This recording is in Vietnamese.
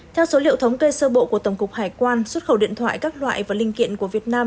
theo số liệu thống kê sơ bộ của tổng cục hải quan xuất khẩu điện thoại các loại và linh kiện của việt nam